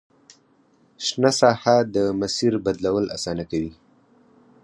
شنه ساحه د مسیر بدلول اسانه کوي